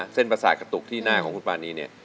เส้นประสาทกระตุกที่หน้าของครูปั๊ดนี้